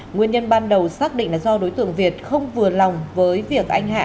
nguyên nhân ban đầu xác định là do đối tượng việt không vừa lòng với việc anh hạ